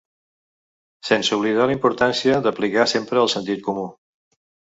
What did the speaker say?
Sense oblidar la importància d’aplicar sempre el sentit comú.